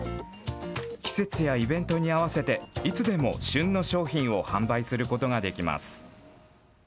季節やイベントに合わせて、いつでも旬の商品を販売することができます。